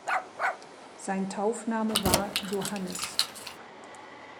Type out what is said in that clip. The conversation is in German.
Sein Taufname war "Johannes".